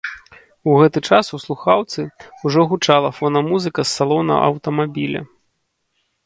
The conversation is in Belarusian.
У гэты час у слухаўцы ўжо гучала фонам музыка з салона аўтамабіля.